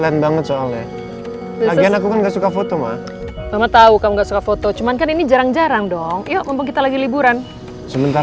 ini banget soalnya agen aku nggak suka foto mah sama tahu kamu nggak suka foto cuman kan ini jarang jarang dong yuk kita lagi liburan sebentar